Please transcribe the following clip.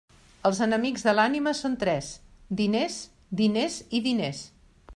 Els enemics de l'ànima són tres: diners, diners i diners.